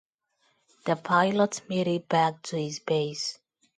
The pilot made it back to his base.